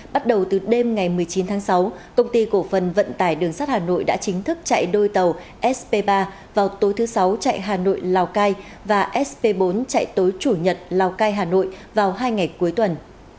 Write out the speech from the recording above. bắt đầu từ đêm ngày một mươi chín tháng sáu công ty cổ phần vận tải đường sắt hà nội đã chính thức chạy đôi tàu sp ba vào tối thứ sáu chạy hà nội lào cai và sp bốn chạy tối chủ nhật lào cai hà nội vào hai ngày cuối tuần